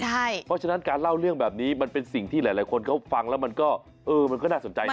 เพราะฉะนั้นการเล่าเรื่องแบบนี้มันเป็นสิ่งที่หลายคนเขาฟังแล้วมันก็เออมันก็มันก็น่าสนใจนะ